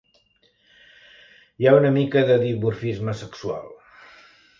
Hi ha una mica de dimorfisme sexual.